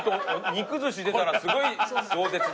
肉寿司出たらすごい冗舌で。